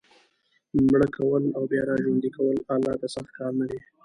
مړه کول او بیا را ژوندي کول الله ته سخت کار نه دی.